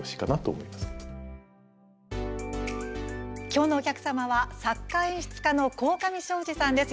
きょうのお客様は作家・演出家の鴻上尚史さんです。